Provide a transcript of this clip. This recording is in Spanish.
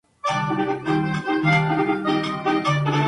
Sin embargo, se localiza realmente en el municipio de Morelos.